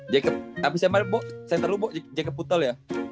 jacket abis yang main bo center lu jacket putel ya